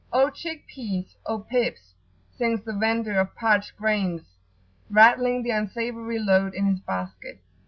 "O chick pease! O pips!" sings the vendor of parched grains, rattling the unsavoury load in his basket.